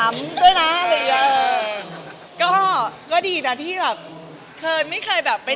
เราก็ดีนะที่เกิดไม่ค่อยไปไหน